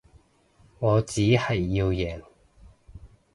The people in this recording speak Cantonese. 我只係要贏